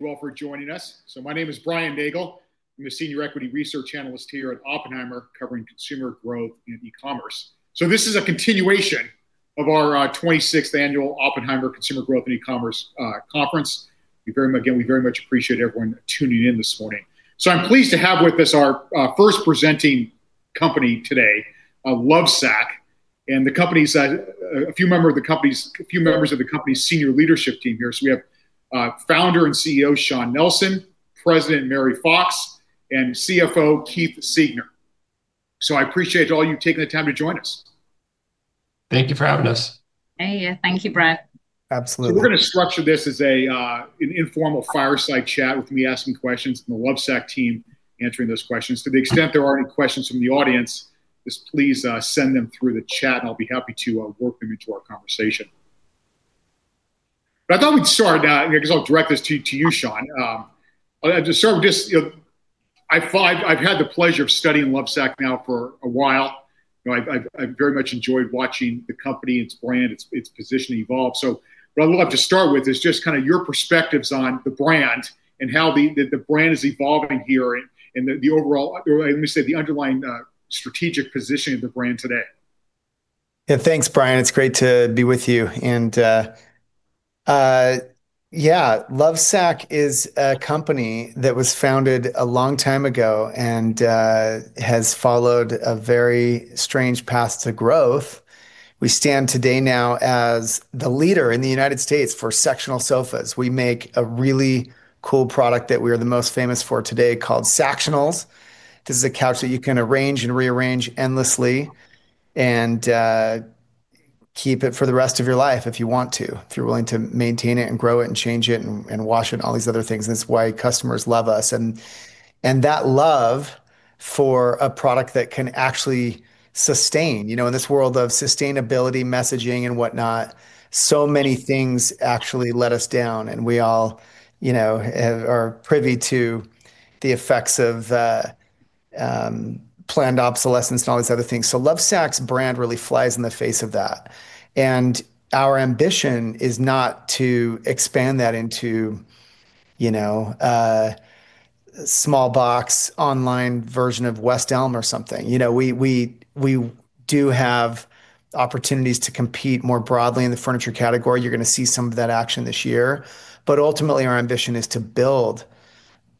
Thank you all for joining us. My name is Brian Nagel. I'm the Senior Equity Research Analyst here at Oppenheimer, covering consumer growth and e-commerce. This is a continuation of our 26th Annual Consumer Growth and E-Commerce Conference. We very much appreciate everyone tuning in this morning. I'm pleased to have with us our first presenting company today, Lovesac, and a few members of the company's senior leadership team here. We have Founder and CEO, Shawn Nelson, President, Mary Fox, and CFO, Keith Siegner. I appreciate all you taking the time to join us. Thank you for having us. Hey. Thank you, Brian. Absolutely. We're going to structure this as an informal fireside chat with me asking questions and the Lovesac team answering those questions. To the extent there are any questions from the audience, just please send them through the chat and I'll be happy to work them into our conversation. I thought we'd start, because I'll direct this to you, Shawn. I've had the pleasure of studying Lovesac now for a while. I've very much enjoyed watching the company, its brand, its position evolve. What I would love to start with is just your perspectives on the brand and how the brand is evolving here and the overall, let me say, the underlying strategic position of the brand today. Thanks, Brian. It's great to be with you. Lovesac is a company that was founded a long time ago and has followed a very strange path to growth. We stand today now as the leader in the U.S. for sectional sofas. We make a really cool product that we are the most famous for today called Sactionals. This is a couch that you can arrange and rearrange endlessly and keep it for the rest of your life if you want to, if you're willing to maintain it and grow it and change it and wash it and all these other things, and that's why customers love us. That love for a product that can actually sustain. In this world of sustainability messaging and whatnot, so many things actually let us down, and we all are privy to the effects of planned obsolescence and all these other things. Lovesac's brand really flies in the face of that. Our ambition is not to expand that into a small box online version of West Elm or something. We do have opportunities to compete more broadly in the furniture category. You're going to see some of that action this year. Ultimately, our ambition is to build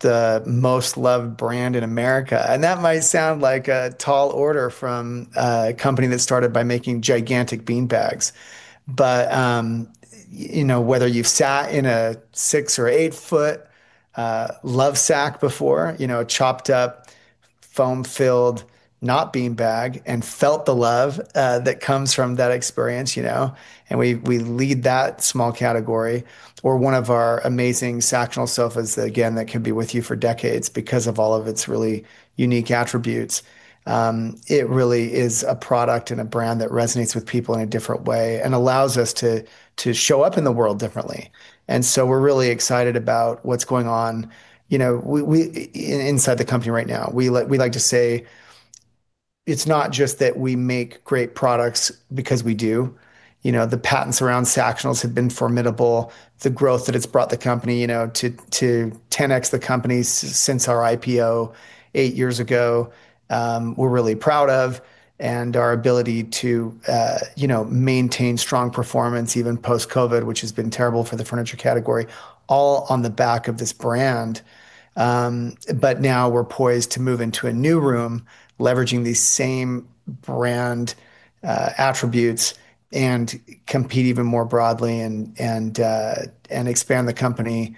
the most loved brand in America. That might sound like a tall order from a company that started by making gigantic beanbags. Whether you've sat in a 6-ft or 8-ft Lovesac before, a chopped up foam-filled, not beanbag, and felt the love that comes from that experience, and we lead that small category. One of our amazing Sactional sofas, again, that can be with you for decades because of all of its really unique attributes. It really is a product and a brand that resonates with people in a different way and allows us to show up in the world differently. We're really excited about what's going on inside the company right now. We like to say it's not just that we make great products, because we do. The patents around Sactionals have been formidable. The growth that it's brought the company to 10x the company since our IPO eight years ago, we're really proud of, and our ability to maintain strong performance even post-COVID, which has been terrible for the furniture category, all on the back of this brand. Now we're poised to move into a new room, leveraging these same brand attributes and compete even more broadly and expand the company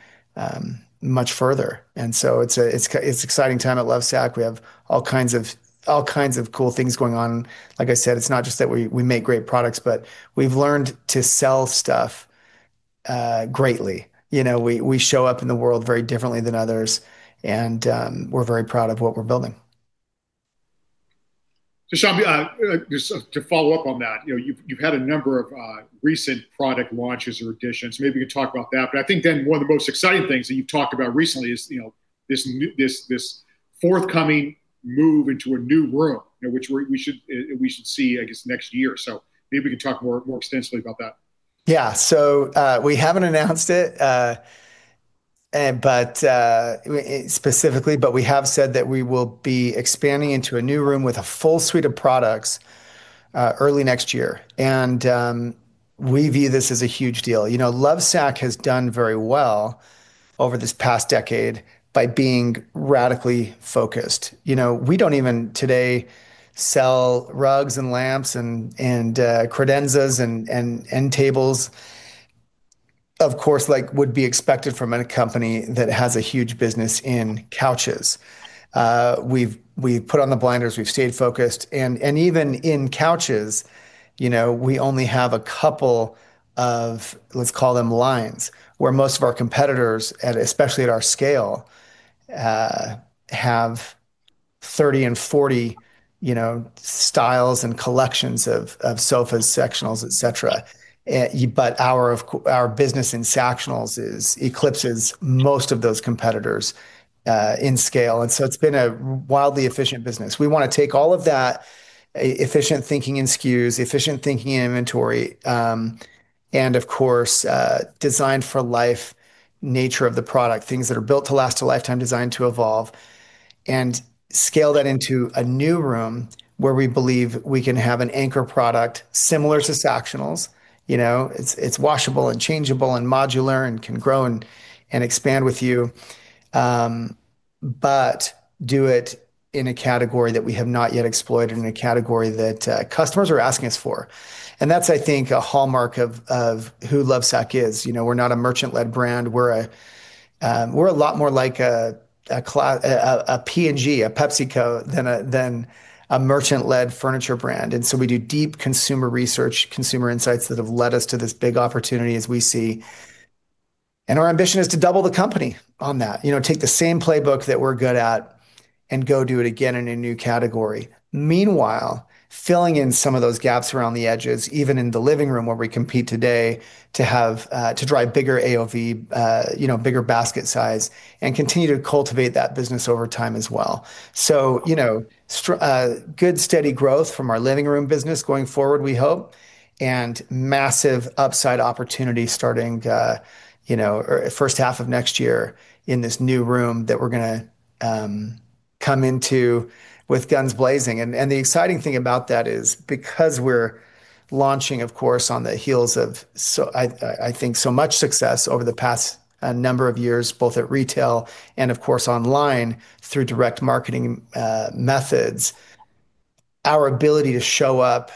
much further. It's an exciting time at Lovesac. We have all kinds of cool things going on. Like I said, it's not just that we make great products, but we've learned to sell stuff greatly. We show up in the world very differently than others, and we're very proud of what we're building. Shawn, just to follow up on that, you've had a number of recent product launches or additions. Maybe you could talk about that. I think one of the most exciting things that you've talked about recently is this forthcoming move into a new room, which we should see, I guess, next year. Maybe we can talk more extensively about that. We haven't announced it specifically, we have said that we will be expanding into a new room with a full suite of products early next year, we view this as a huge deal. Lovesac has done very well over this past decade by being radically focused. We don't even today sell rugs and lamps and credenzas and end tables, of course, like would be expected from a company that has a huge business in couches. We've put on the blinders. We've stayed focused, even in couches, we only have a couple of, let's call them lines, where most of our competitors, especially at our scale, have 30 and 40 styles and collections of sofas, Sactionals, et cetera. Our business in Sactionals eclipses most of those competitors in scale. It's been a wildly efficient business. We want to take all of that efficient thinking in SKUs, efficient thinking in inventory, of course, designed for life nature of the product, things that are built to last a lifetime, designed to evolve, scale that into a new room where we believe we can have an anchor product similar to Sactionals. It's washable and changeable and modular and can grow and expand with you, do it in a category that we have not yet explored, in a category that customers are asking us for. That's, I think, a hallmark of who Lovesac is. We're not a merchant-led brand. We're a lot more like a P&G, a PepsiCo, than a merchant-led furniture brand. We do deep consumer research, consumer insights that have led us to this big opportunity as we see. Our ambition is to double the company on that. Take the same playbook that we're good at and go do it again in a new category. Meanwhile, filling in some of those gaps around the edges, even in the living room where we compete today to drive bigger AOV, bigger basket size, continue to cultivate that business over time as well. Good steady growth from our living room business going forward, we hope, massive upside opportunity starting first half of next year in this new room that we're going to come into with guns blazing. The exciting thing about that is because we're launching, of course, on the heels of, I think, so much success over the past number of years, both at retail and of course online through direct marketing methods, our ability to show up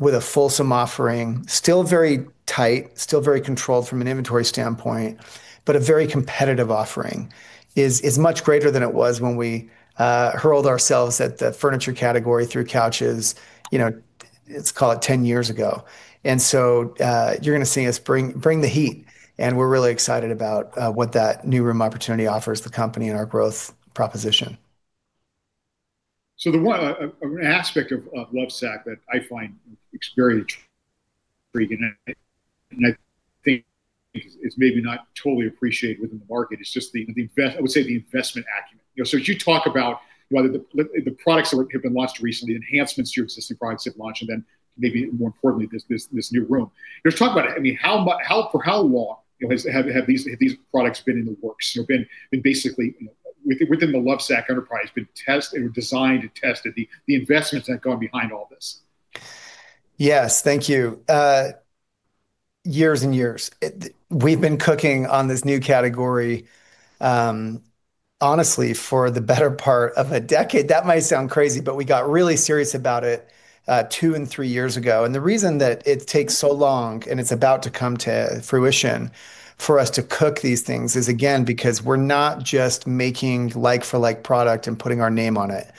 with a fulsome offering, still very tight, still very controlled from an inventory standpoint, but a very competitive offering is much greater than it was when we hurled ourselves at the furniture category through couches, let's call it 10 years ago. You're going to see us bring the heat, and we're really excited about what that new room opportunity offers the company and our growth proposition. The one aspect of Lovesac that I find very intriguing and I think is maybe not totally appreciated within the market is just, I would say, the investment acumen. As you talk about the products that have been launched recently, enhancements to your existing products that launch, and then maybe more importantly, this new room. Let's talk about it. For how long have these products been in the works? Been basically within the Lovesac enterprise, been designed and tested, the investments that have gone behind all this? Yes. Thank you. Years and years. We've been cooking on this new category, honestly, for the better part of a decade. That might sound crazy, but we got really serious about it two and three years ago. The reason that it takes so long and it's about to come to fruition for us to cook these things is, again, because we're not just making like-for-like product and putting our name on it.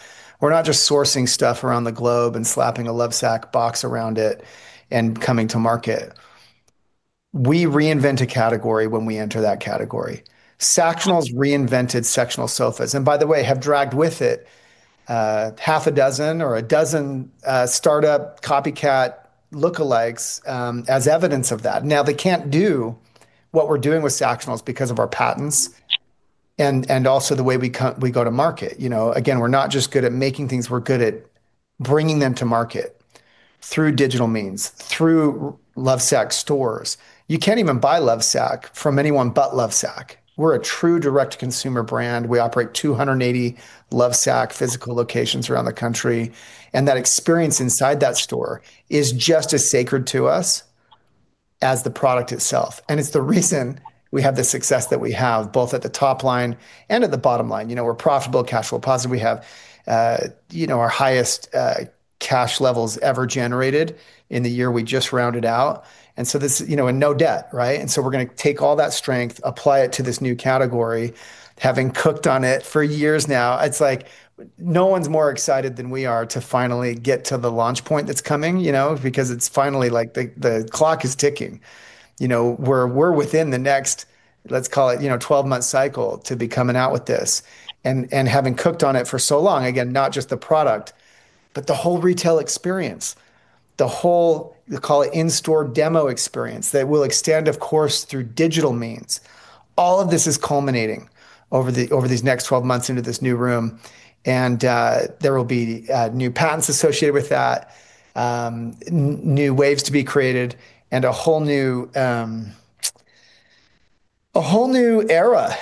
We're not just sourcing stuff around the globe and slapping a Lovesac box around it and coming to market. We reinvent a category when we enter that category. Sactionals reinvented sectional sofas, and by the way, have dragged with it half a dozen or a dozen startup copycat lookalikes as evidence of that. They can't do what we're doing with Sactionals because of our patents and also the way we go to market. Again, we're not just good at making things, we're good at bringing them to market through digital means, through Lovesac stores. You can't even buy Lovesac from anyone but Lovesac. We're a true direct consumer brand. We operate 280 Lovesac physical locations around the country, that experience inside that store is just as sacred to us as the product itself. It's the reason we have the success that we have, both at the top line and at the bottom line. We're profitable, cash flow positive. We have our highest cash levels ever generated in the year we just rounded out, and no debt, right? We're going to take all that strength, apply it to this new category, having cooked on it for years now. It's like no one's more excited than we are to finally get to the launch point that's coming, because it's finally like the clock is ticking. We're within the next, let's call it, 12-month cycle to be coming out with this. Having cooked on it for so long, again, not just the product, but the whole retail experience, the whole, call it in-store demo experience that will extend, of course, through digital means. All of this is culminating over these next 12 months into this new room, and there will be new patents associated with that, new waves to be created, and a whole new era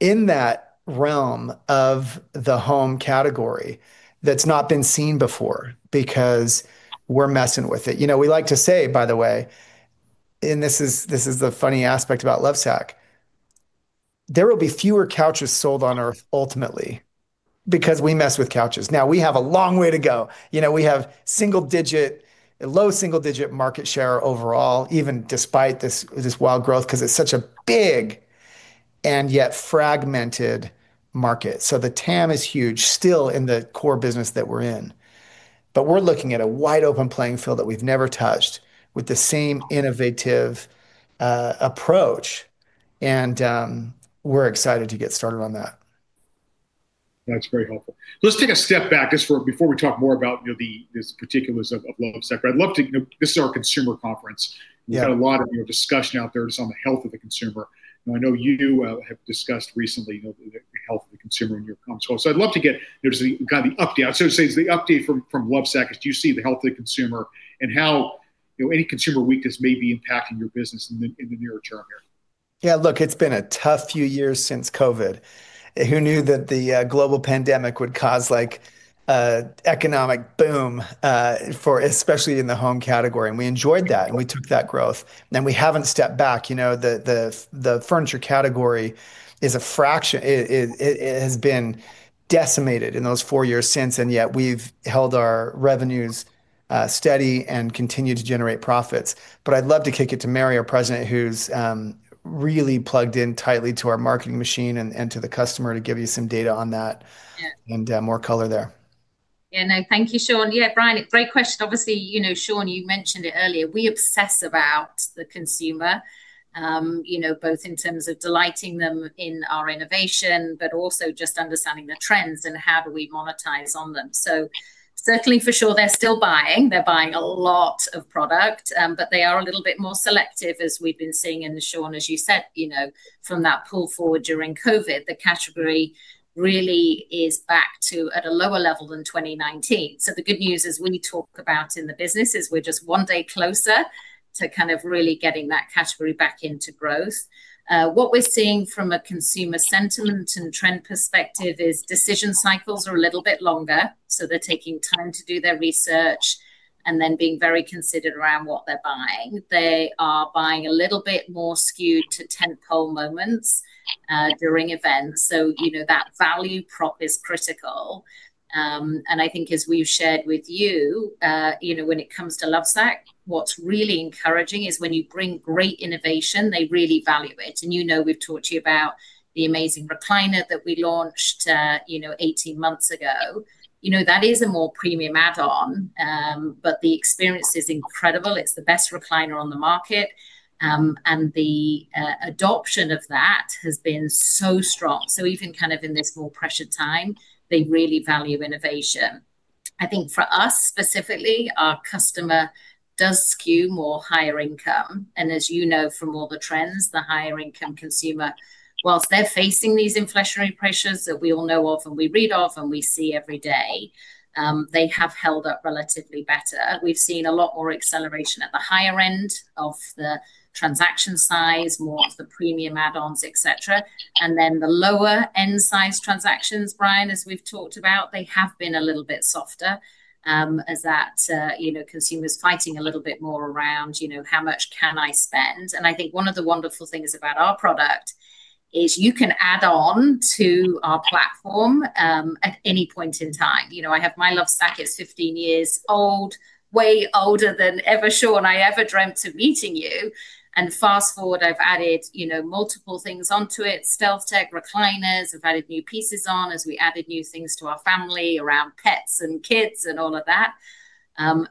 in that realm of the home category that's not been seen before because we're messing with it. We like to say, by the way, and this is the funny aspect about Lovesac, there will be fewer couches sold on Earth ultimately because we mess with couches. Now, we have a long way to go. We have low single-digit market share overall, even despite this wild growth, because it's such a big and yet fragmented market. The TAM is huge still in the core business that we're in. We're looking at a wide-open playing field that we've never touched with the same innovative approach, and we're excited to get started on that. That's very helpful. Let's take a step back just before we talk more about the particulars of Lovesac. This is our consumer conference. Yeah. We've had a lot of discussion out there just on the health of the consumer, and I know you have discussed recently the health of the consumer in your comments. I'd love to get the update. I should say, the update from Lovesac as to how you see the health of the consumer and any consumer weakness may be impacting your business in the near term here. Yeah, look, it's been a tough few years since COVID. Who knew that the global pandemic would cause an economic boom, especially in the home category? We enjoyed that, we took that growth, we haven't stepped back. The furniture category has been decimated in those four years since, yet we've held our revenues steady and continue to generate profits. I'd love to kick it to Mary, our president, who's really plugged in tightly to our marketing machine and to the customer to give you some data on that. Yeah More color there. Yeah, no, thank you, Shawn. Yeah, Brian, great question. Obviously, Shawn, you mentioned it earlier, we obsess about the consumer, both in terms of delighting them in our innovation, also understanding the trends and how do we monetize on them. Certainly for sure, they're still buying. They're buying a lot of product. They are a little bit more selective, as we've been seeing, and Shawn, as you said, from that pull forward during COVID, the category really is back to at a lower level than 2019. The good news is we talk about in the business is we're just one day closer to kind of really getting that category back into growth. What we're seeing from a consumer sentiment and trend perspective is decision cycles are a little bit longer, so they're taking time to do their research and then being very considered around what they're buying. They are buying a little bit more skewed to tent-pole moments during events, so that value prop is critical. I think as we've shared with you, when it comes to Lovesac, what's really encouraging is when you bring great innovation, they really value it. You know we've talked to you about the amazing recliner that we launched 18 months ago. That is a more premium add-on, but the experience is incredible. It's the best recliner on the market. The adoption of that has been so strong. Even kind of in this more pressured time, they really value innovation. I think for us specifically, our customer does skew more higher income, and as you know from all the trends, the higher income consumer, whilst they're facing these inflationary pressures that we all know of, and we read of, and we see every day, they have held up relatively better. We've seen a lot more acceleration at the higher end of the transaction size, more of the premium add-ons, et cetera. The lower-end size transactions, Brian, as we've talked about, they have been a little bit softer, as that consumer's fighting a little bit more around, how much can I spend? I think one of the wonderful things about our product is you can add on to our platform at any point in time. I have my Lovesac. It's 15 years old, way older than ever Shawn and I ever dreamt of meeting you. Fast-forward, I've added multiple things onto it, StealthTech recliners. I've added new pieces on as we added new things to our family around pets and kids and all of that.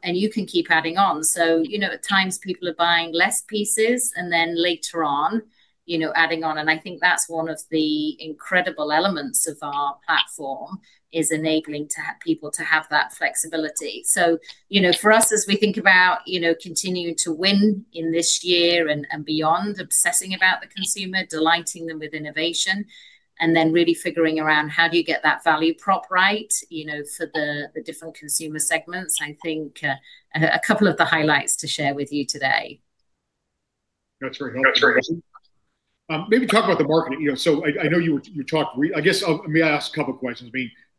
You can keep adding on. At times, people are buying less pieces and then later on adding on. I think that's one of the incredible elements of our platform is enabling people to have that flexibility. For us, as we think about continuing to win in this year and beyond, obsessing about the consumer, delighting them with innovation, and then really figuring around how do you get that value prop right for the different consumer segments, I think a couple of the highlights to share with you today. That's very helpful. Maybe talk about the marketing. I know you talked I guess, may I ask a couple questions?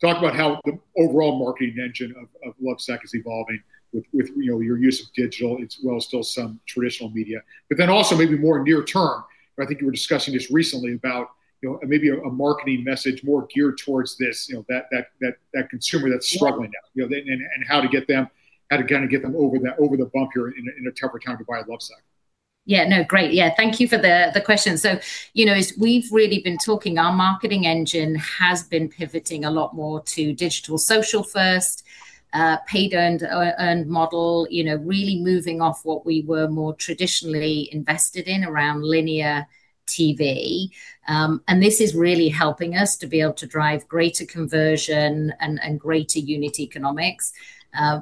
Talk about how the overall marketing engine of Lovesac is evolving with your use of digital as well as still some traditional media. Also maybe more near term, I think you were discussing this recently about maybe a marketing message more geared towards that consumer that's struggling now, and how to get them over the bump here in a temporary time to buy a Lovesac. Yeah. No, great. Yeah, thank you for the question. As we've really been talking, our marketing engine has been pivoting a lot more to digital social first, paid earned model, really moving off what we were more traditionally invested in around linear TV. This is really helping us to be able to drive greater conversion and greater unit economics.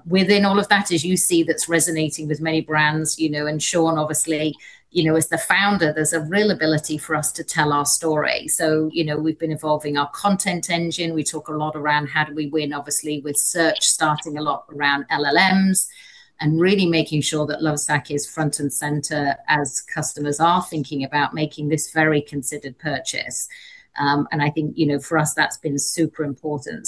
Within all of that, as you see, that's resonating with many brands. Shawn, obviously, as the founder, there's a real ability for us to tell our story. We've been evolving our content engine. We talk a lot around how do we win, obviously, with search starting a lot around LLMs, really making sure that Lovesac is front and center as customers are thinking about making this very considered purchase. I think for us, that's been super important.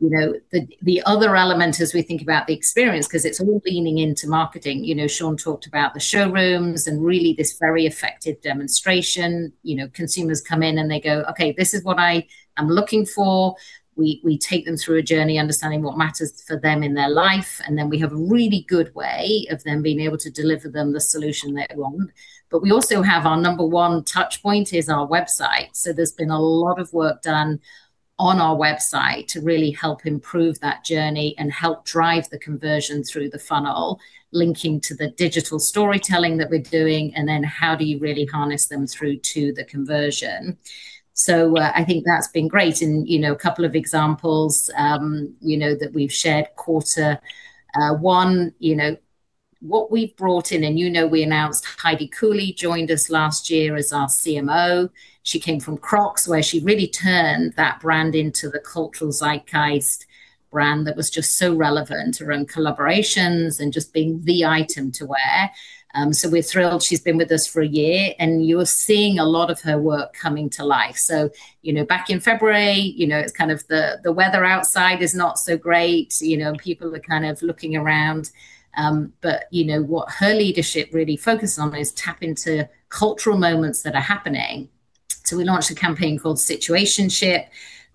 The other element as we think about the experience, because it's all leaning into marketing. Shawn talked about the showrooms and really this very effective demonstration. Consumers come in, and they go, "Okay, this is what I am looking for." We take them through a journey, understanding what matters for them in their life, and then we have a really good way of them being able to deliver them the solution they want. But we also have our number one touch point is our website. There's been a lot of work done on our website to really help improve that journey and help drive the conversion through the funnel, linking to the digital storytelling that we're doing, and then how do you really harness them through to the conversion. I think that's been great. A couple of examples that we've shared, quarter one, what we've brought in, and you know, we announced Heidi Cooley joined us last year as our CMO. She came from Crocs, where she really turned that brand into the cultural zeitgeist brand that was just so relevant around collaborations and just being the item to wear. We're thrilled she's been with us for a year, and you're seeing a lot of her work coming to life. Back in February, the weather outside is not so great, people are kind of looking around. What her leadership really focuses on is tap into cultural moments that are happening. We launched a campaign called [SIT]UATIONSHIP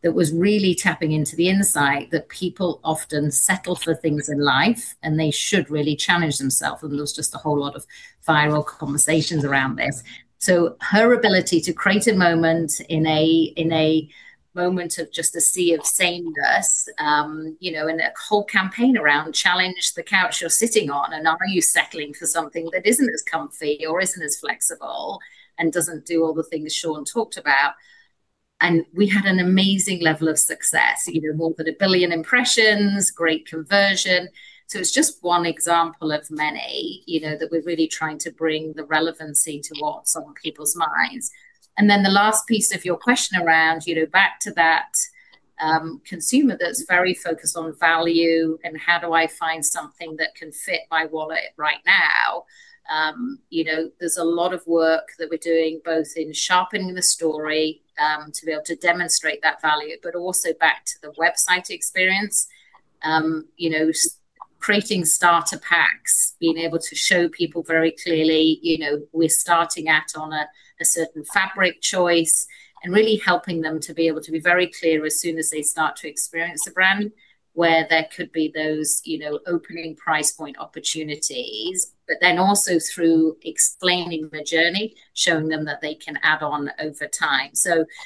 that was really tapping into the insight that people often settle for things in life, and they should really challenge themselves. There was just a whole lot of viral conversations around this. Her ability to create a moment in a moment of just a sea of sameness, and a whole campaign around challenge the couch you're sitting on, and are you settling for something that isn't as comfy or isn't as flexible and doesn't do all the things Shawn talked about. We had an amazing level of success. More than 1 billion impressions, great conversion. It's just one example of many, that we're really trying to bring the relevancy to what's on people's minds. Then the last piece of your question around back to that consumer that's very focused on value and how do I find something that can fit my wallet right now, there's a lot of work that we're doing, both in sharpening the story, to be able to demonstrate that value, but also back to the website experience. Creating starter packs, being able to show people very clearly we're starting at on a certain fabric choice and really helping them to be able to be very clear as soon as they start to experience the brand where there could be those opening price point opportunities. Also through explaining the journey, showing them that they can add on over time.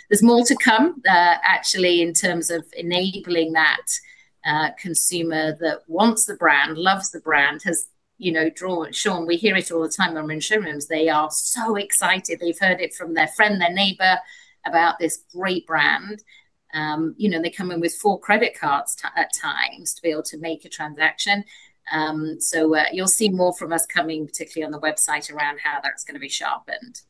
There's more to come, actually in terms of enabling that consumer that wants the brand, loves the brand, has drawn. Shawn, we hear it all the time when we're in showrooms, they are so excited. They've heard it from their friend, their neighbor about this great brand. They come in with four credit cards at times to be able to make a transaction. You'll see more from us coming, particularly on the website around how that's going to be sharpened.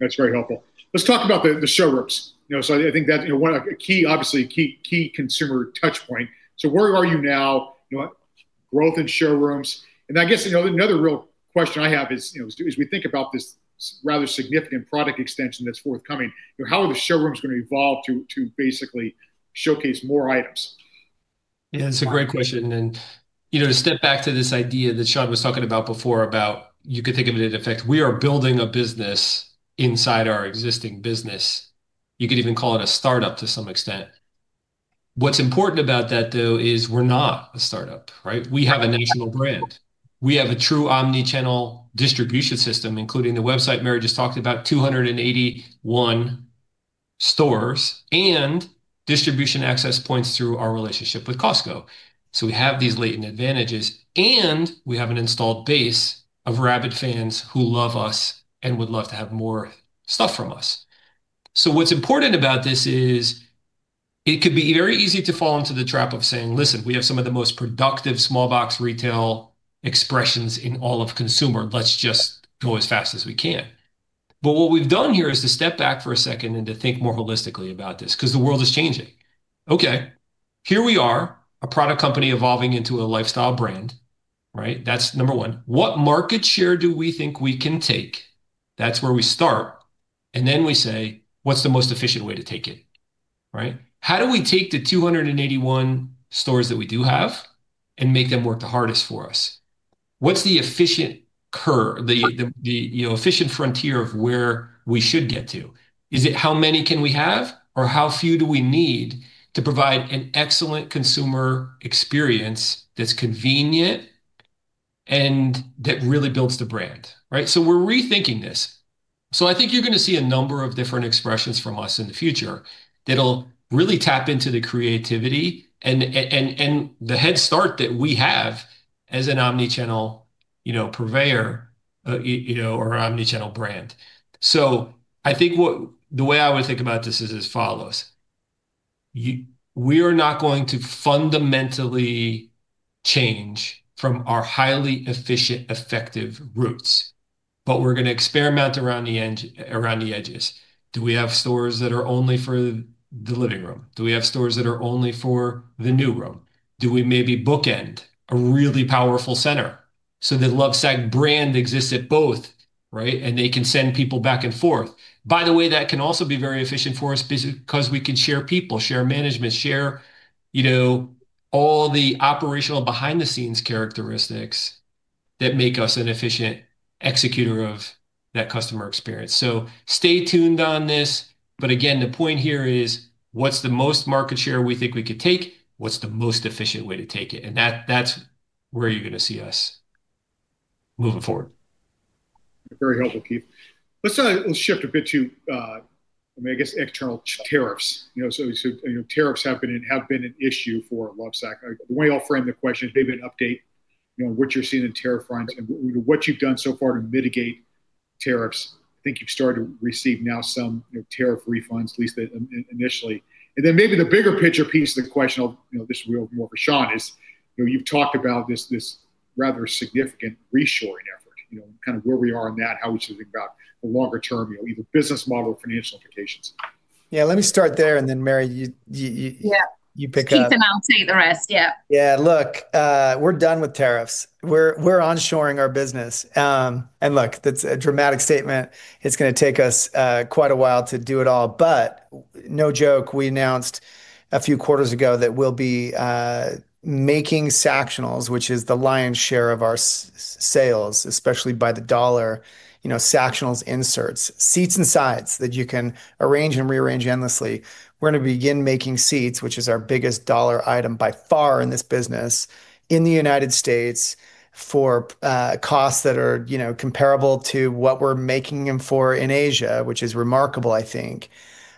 That's very helpful. Let's talk about the showrooms. I think that's obviously a key consumer touch point. Where are you now? Growth in showrooms. I guess another real question I have is as we think about this rather significant product extension that's forthcoming, how are the showrooms going to evolve to basically showcase more items? Yeah, it's a great question, and to step back to this idea that Shawn was talking about before, about you could think of it in effect we are building a business inside our existing business. You could even call it a startup to some extent. What's important about that, though, is we're not a startup, right? We have a national brand. We have a true omni-channel distribution system, including the website Mary just talked about, 281 stores, and distribution access points through our relationship with Costco. We have these latent advantages, and we have an installed base of rabid fans who love us and would love to have more stuff from us. What's important about this is it could be very easy to fall into the trap of saying, "Listen, we have some of the most productive small box retail expressions in all of consumer. Let's just go as fast as we can." What we've done here is to step back for a second and to think more holistically about this, because the world is changing. Okay. Here we are, a product company evolving into a lifestyle brand. Right? That's number one. What market share do we think we can take? That's where we start. Then we say, "What's the most efficient way to take it?" Right? How do we take the 281 stores that we do have and make them work the hardest for us? What's the efficient curve, the efficient frontier of where we should get to? Is it how many can we have or how few do we need to provide an excellent consumer experience that's convenient and that really builds the brand? Right? We're rethinking this. I think you're going to see a number of different expressions from us in the future that'll really tap into the creativity and the head start that we have as an omni-channel purveyor or omni-channel brand. I think the way I would think about this is as follows. We are not going to fundamentally change from our highly efficient, effective roots. We're going to experiment around the edges. Do we have stores that are only for the living room? Do we have stores that are only for the new room? Do we maybe bookend a really powerful center so the Lovesac brand exists at both, right, and they can send people back and forth? By the way, that can also be very efficient for us because we can share people, share management, share all the operational behind-the-scenes characteristics that make us an efficient executor of that customer experience. Stay tuned on this. Again, the point here is, what's the most market share we think we could take? What's the most efficient way to take it? That's where you're going to see us moving forward. Very helpful, Keith. Let's shift a bit to external tariffs. Tariffs have been an issue for Lovesac. The way I'll frame the question, maybe an update on what you're seeing on the tariff front and what you've done so far to mitigate tariffs. I think you've started to receive now some tariff refunds, at least initially. Then maybe the bigger picture piece of the question, this will be more for Shawn, is you've talked about this rather significant reshoring effort kind of where we are on that, how we should think about the longer term, either business model or financial implications. Yeah, let me start there, then Mary, you- Yeah You pick up. Keith and I'll say the rest. Yeah. Yeah. Look, we're done with tariffs. We're onshoring our business. Look, that's a dramatic statement. It's going to take us quite a while to do it all, no joke, we announced a few quarters ago that we'll be making Sactionals, which is the lion's share of our sales, especially by the dollar. Sactionals inserts, seats, and sides that you can arrange and rearrange endlessly. We're going to begin making seats, which is our biggest dollar item by far in this business, in the United States for costs that are comparable to what we're making them for in Asia, which is remarkable, I think.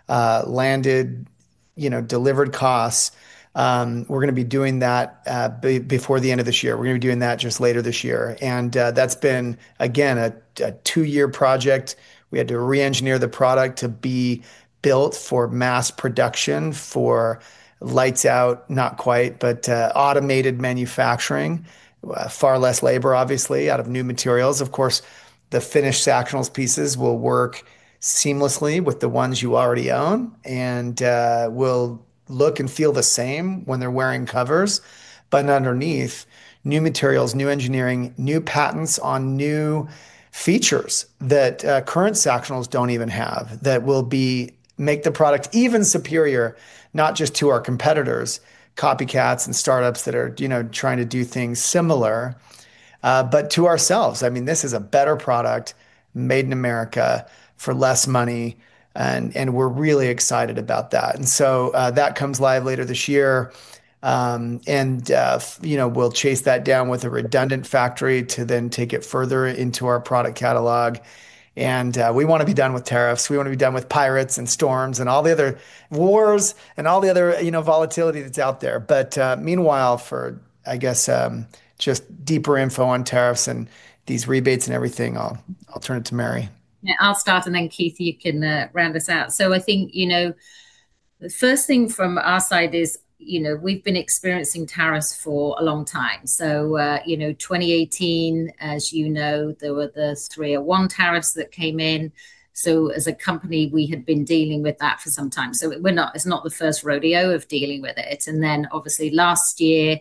Landed, delivered costs. We're going to be doing that before the end of this year. We're going to be doing that just later this year. That's been, again, a two-year project. We had to re-engineer the product to be built for mass production, for lights out, not quite, automated manufacturing. Far less labor, obviously, out of new materials. Of course, the finished Sactionals pieces will work seamlessly with the ones you already own and will look and feel the same when they're wearing covers. Underneath, new materials, new engineering, new patents on new features that current Sactionals don't even have, that will make the product even superior, not just to our competitors, copycats, and startups that are trying to do things similar, but to ourselves. This is a better product made in America for less money, we're really excited about that. That comes live later this year. We'll chase that down with a redundant factory to then take it further into our product catalog. We want to be done with tariffs. We want to be done with pirates and storms and all the other wars, and all the other volatility that's out there. Meanwhile, for, I guess, just deeper info on tariffs and these rebates and everything, I'll turn it to Mary. Yeah, I'll start, and then Keith, you can round us out. I think, the first thing from our side is we've been experiencing tariffs for a long time. 2018, as you know, there were the Section 301 tariffs that came in. As a company, we had been dealing with that for some time. It's not the first rodeo of dealing with it. Obviously last year,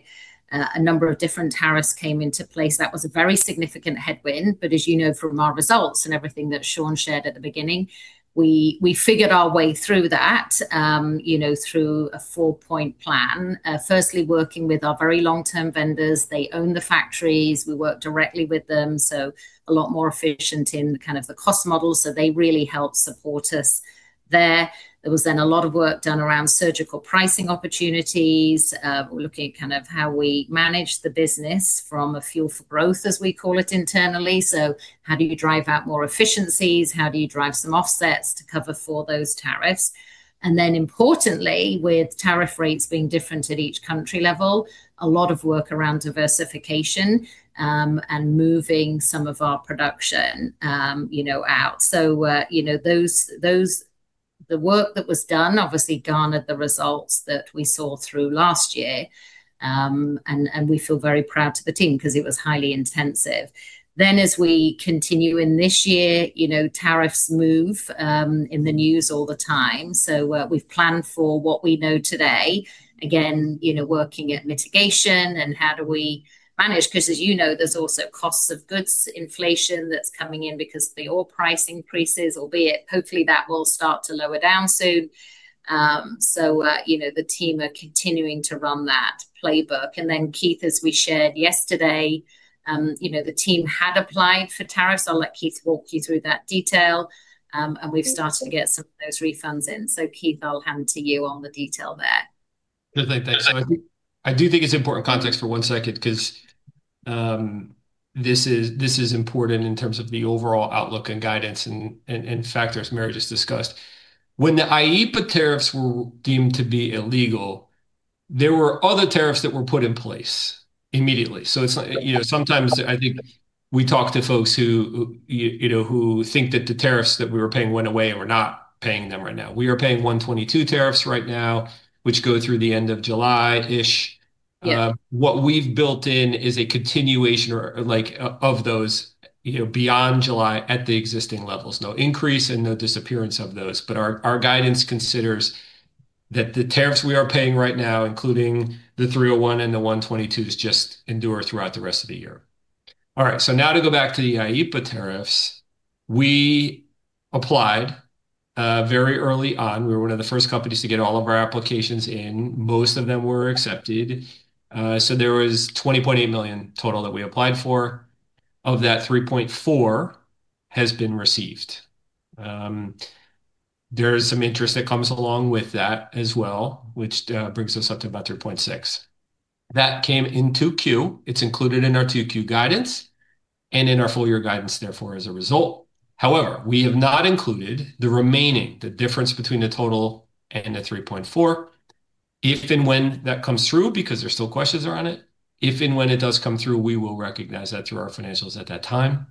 a number of different tariffs came into place. That was a very significant headwind. As you know from our results and everything that Shawn shared at the beginning, we figured our way through that through a four-point plan. Firstly, working with our very long-term vendors. They own the factories. We work directly with them, a lot more efficient in the cost model. They really help support us there. There was a lot of work done around surgical pricing opportunities, looking at how we manage the business from a fuel for growth, as we call it internally. How do you drive out more efficiencies? How do you drive some offsets to cover for those tariffs? Importantly, with tariff rates being different at each country level, a lot of work around diversification, and moving some of our production out. The work that was done obviously garnered the results that we saw through last year. We feel very proud to the team because it was highly intensive. As we continue in this year, tariffs move in the news all the time. We've planned for what we know today, again, working at mitigation and how do we manage, because as you know, there's also costs of goods inflation that's coming in because the oil price increases, albeit hopefully that will start to lower down soon. The team are continuing to run that playbook. Keith, as we shared yesterday, the team had applied for tariffs. I'll let Keith walk you through that detail. We've started to get some of those refunds in. Keith, I'll hand to you on the detail there. No, thank you. I do think it's important context for one second because this is important in terms of the overall outlook and guidance and factors Mary just discussed. When the IEEPA tariffs were deemed to be illegal, there were other tariffs that were put in place immediately. Sometimes I think we talk to folks who think that the tariffs that we were paying went away and we're not paying them right now. We are paying Section 122 tariffs right now, which go through the end of July-ish. Yeah. What we've built in is a continuation of those beyond July at the existing levels. No increase and no disappearance of those. Our guidance considers that the tariffs we are paying right now, including the 301 and the 122s, just endure throughout the rest of the year. All right. Now to go back to the IEEPA tariffs. We applied very early on. We were one of the first companies to get all of our applications in. Most of them were accepted. There was $20.8 million total that we applied for. Of that, $3.4 has been received. There is some interest that comes along with that as well, which brings us up to about $3.6. That came in 2Q. It's included in our 2Q guidance and in our full year guidance, therefore, as a result. However, we have not included the remaining, the difference between the total and the $3.4. If and when that comes through, because there's still questions around it, if and when it does come through, we will recognize that through our financials at that time.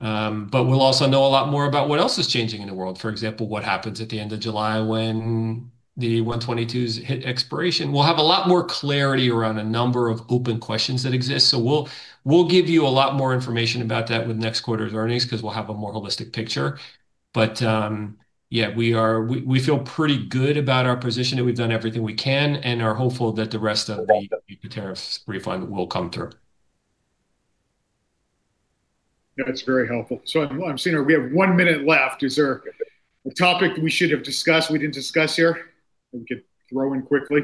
We'll also know a lot more about what else is changing in the world. For example, what happens at the end of July when the 122s hit expiration. We'll have a lot more clarity around a number of open questions that exist. We'll give you a lot more information about that with next quarter's earnings because we'll have a more holistic picture. Yeah, we feel pretty good about our position, that we've done everything we can and are hopeful that the rest of the IEEPA tariffs refund will come through. That's very helpful. I'm seeing that we have one minute left. Is there a topic we should have discussed we didn't discuss here that we could throw in quickly?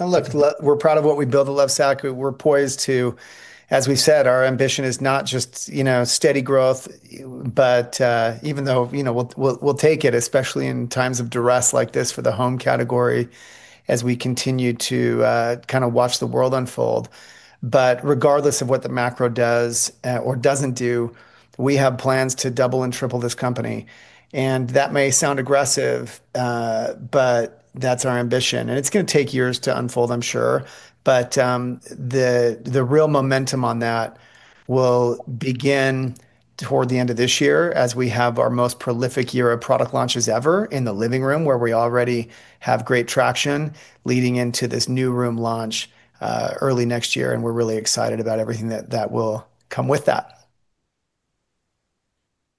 Look, we're proud of what we built at Lovesac. We're poised to, as we've said, our ambition is not just steady growth. Even though we'll take it, especially in times of duress like this for the home category, as we continue to kind of watch the world unfold. Regardless of what the macro does or doesn't do, we have plans to double and triple this company. That may sound aggressive, but that's our ambition. It's going to take years to unfold, I'm sure. The real momentum on that will begin toward the end of this year as we have our most prolific year of product launches ever in the living room, where we already have great traction leading into this new room launch, early next year, and we're really excited about everything that will come with that.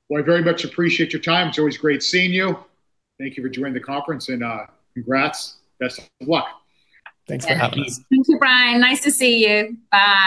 Well, I very much appreciate your time. It's always great seeing you. Thank you for joining the conference and congrats. Best of luck. Thanks for having us. Thank you, Brian. Nice to see you. Bye